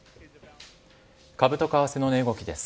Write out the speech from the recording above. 株と為替の値動きです。